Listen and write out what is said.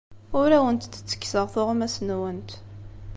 Ur awent-d-ttekkseɣ tuɣmas-nwent.